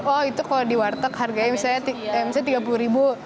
oh itu kalau di warteg harganya misalnya rp tiga puluh ribu